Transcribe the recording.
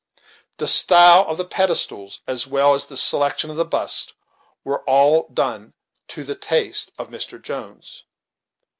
The style of the pedestals as well as the selection of the busts were all due to the taste of Mr. Jones.